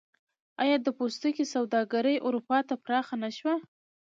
آیا د پوستکي سوداګري اروپا ته پراخه نشوه؟